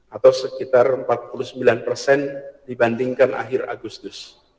atau sekitar empat puluh sembilan persen dibandingkan akhir agustus